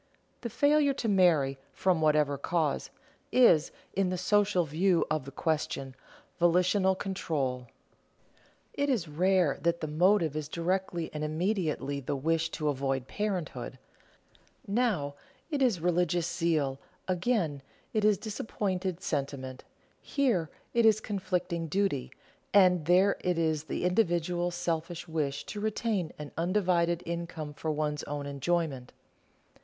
The failure to marry, from whatever cause, is, in the social view of the question, volitional control. It is rare that the motive is directly and immediately the wish to avoid parenthood; now it is religious zeal, again it is disappointed sentiment; here it is conflicting duty, and there it is the individual selfish wish to retain an undivided income for one's own enjoyment.